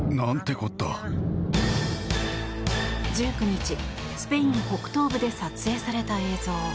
１９日、スペイン北東部で撮影された映像。